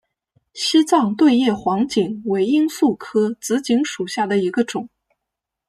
西藏对叶黄堇为罂粟科紫堇属下的一个种。